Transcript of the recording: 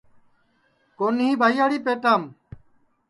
کونیھ ٻائیاڑی پیٹام